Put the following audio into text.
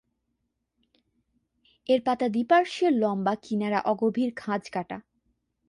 এর পাতা দ্বি-পার্শ্বীয়, লম্বা, কিনারা অগভীর খাঁজকাটা।